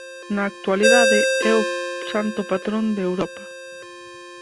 Na actualidade é o Santo Patrón de Europa.